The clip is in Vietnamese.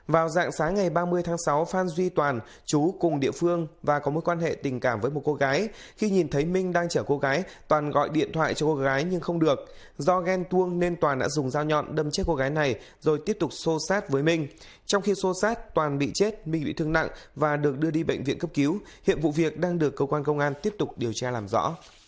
vào dạng sáng ngày ba mươi tháng sáu phan duy toàn chú cùng địa phương và có mối quan hệ tình cảm với một cô gái khi nhìn thấy minh đang chở cô gái toàn gọi điện thoại cho cô gái nhưng không được do ghen tuông nên toàn đã dùng dao nhọn đâm chết cô gái này rồi tiếp tục xô sát với minh trong khi xô sát toàn bị chết minh bị thương nặng và được đưa đi bệnh viện cấp cứu hiệp vụ việc đang được cơ quan công an tiếp tục điều tra làm rõ